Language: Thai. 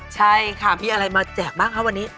ใช่ค่ะมีอะไรมาแจกบ้างคะวันนี้